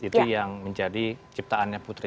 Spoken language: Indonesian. itu yang menjadi ciptaannya putri